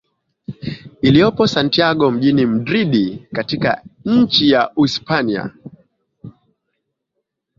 Iliyopo Santiago mjini Mdridi katika nchi ya Uhispania